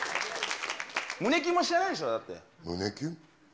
胸キュンも知らないでしょ？だって。胸キュン？